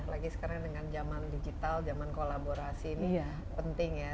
apalagi sekarang dengan zaman digital zaman kolaborasi ini penting ya